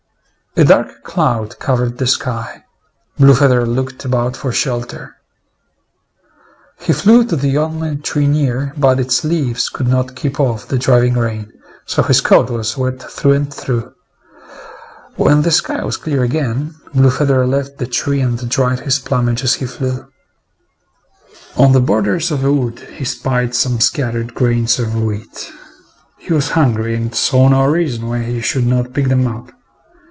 A dark cloud covered the sky. Blue feather looked about for shelter. He flew to the only tree near, but its leaves could not keep off the driving rain, so his coat was wet through and through. When the sky was clear again, Blue feather left the tree and dried his plumage as he flew. On the borders of a wood he spied some scattered grains of wheat. He was hungry and saw no reason why he should not pick them up.